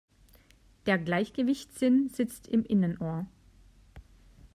Der Gleichgewichtssinn sitzt im Innenohr.